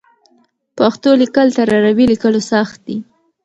پښتو لیکل تر عربي لیکلو سخت دي.